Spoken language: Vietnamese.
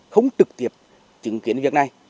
không trực tiếp chứng kiến việc này